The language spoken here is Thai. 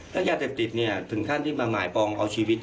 ยาเสพติดถึงขั้นที่มาหมายปองเอาชีวิต